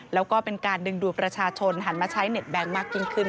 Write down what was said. แล้วก็เป็นการดึงดูดประชาชนหันมาใช้เน็ตแก๊งมากยิ่งขึ้น